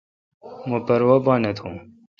مہ پروا پا نہ تھو۔